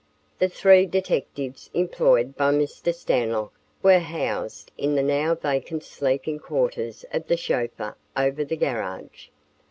The three detectives employed by Mr. Stanlock were housed in the now vacant sleeping quarters of the chauffeur over the garage.